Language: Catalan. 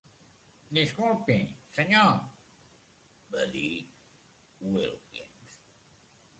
"Disculpi, senyor," va dir Wilkins.